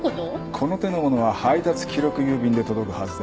この手のものは配達記録郵便で届くはずだ。